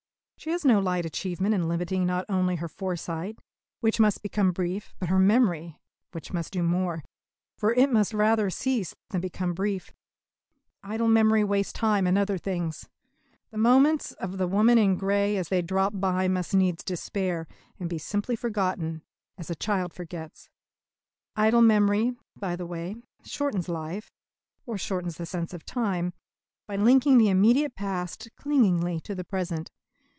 She has no light achievement in limiting not only her foresight, which must become brief, but her memory, which must do more; for it must rather cease than become brief. Idle memory wastes time and other things. The moments of the woman in grey as they dropped by must needs disappear, and be simply forgotten, as a child forgets. Idle memory, by the way, shortens life, or shortens the sense of time, by linking the immediate past clingingly to the present.